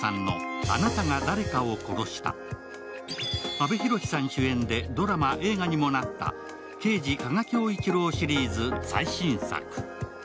阿部寛さん主演でドラマ、映画にもなった刑事「加賀恭一郎シリーズ」の最新作。